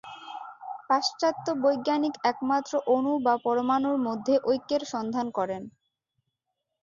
পাশ্চাত্য বৈজ্ঞানিক একমাত্র অণু বা পরমাণুর মধ্যে ঐক্যের সন্ধান করেন।